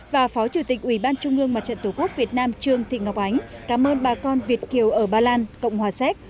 và phó chủ tịch ubndtqvn trương thị ngọc ánh cảm ơn bà con việt kiều ở ba lan cộng hòa xéc